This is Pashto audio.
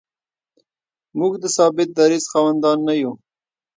موږ د ثابت دریځ خاوندان نه یو.